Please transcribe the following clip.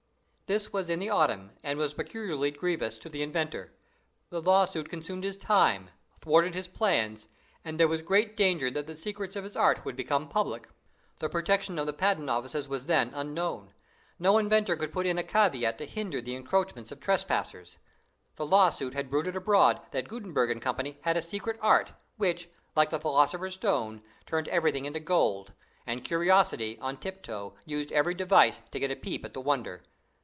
This was in the autumn, and was peculiarly grievous to the inventor. The lawsuit consumed his time, thwarted his plans, and there was great danger that the secrets of his art would become public. The protection of the patent offices was then unknown. No inventor could put in a caveat to hinder the encroachments of trespassers. The lawsuit had bruited abroad that Gutenberg & Co. had a secret art, which, like the philosopher's stone, turned everything into gold; and curiosity, on tip toe, used every device to get a peep at the wonder.